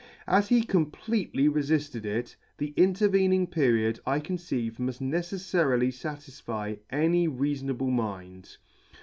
As he completely refitted it, the intervening period I conceive mutt neceflarily fatisfy any reafon able mind.